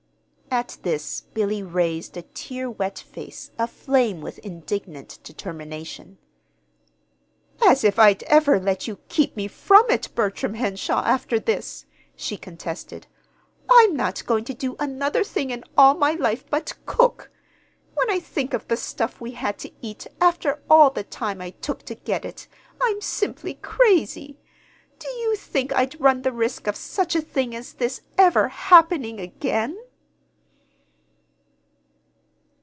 At this Billy raised a tear wet face, aflame with indignant determination. "As if I'd ever let you keep me from it, Bertram Henshaw, after this!" she contested. "I'm not going to do another thing in all my life but cook! When I think of the stuff we had to eat, after all the time I took to get it, I'm simply crazy! Do you think I'd run the risk of such a thing as this ever happening again?"